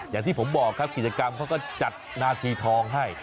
อย่างที่ผมบอกครับกิจกรรมเขาก็จัดนาทีทองให้